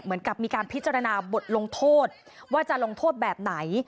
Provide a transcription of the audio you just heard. เหมือนกับมีการพิจารณาบทลงโทษว่าจะลงโทษแบบไหน